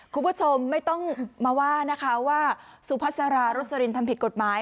คุณผู้ชมไม่ต้องมาว่านะคะว่าสุพัสรารสลินทำผิดกฎหมาย